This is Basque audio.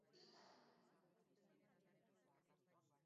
Arabiar kultura da nagusi Jordanian.